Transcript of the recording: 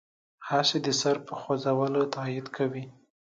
هسې د سر په خوځولو تایید کوي.